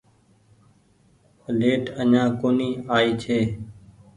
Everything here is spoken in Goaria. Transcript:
ليٽ اڃآن ڪونيٚ آئي ڇي